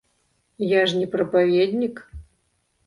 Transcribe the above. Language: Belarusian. Я ж не прапаведнік.